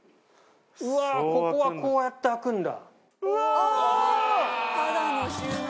ここはこうやって開くんだ。